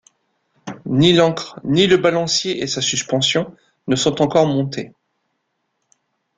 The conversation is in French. Ni l’ancre ni le balancier et sa suspension ne sont encore montés.